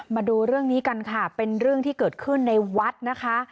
มาดูเรื่องนี้กันค่ะเป็นเรื่องที่เกิดขึ้นในวัดนะคะ